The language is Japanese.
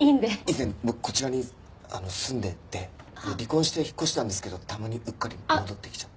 以前僕こちらに住んでて離婚して引っ越したんですけどたまにうっかり戻ってきちゃって。